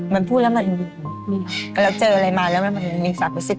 มันพูดแล้วมันแล้วเจออะไรมาแล้วมันมี